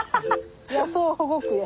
野草保護区や。